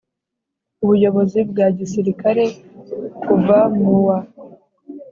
Ubuyobozi bwa gisirikare kuva mu wa